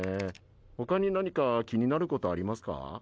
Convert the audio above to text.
他に何か気になることありますか？